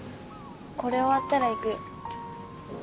これ終わったら行くよ。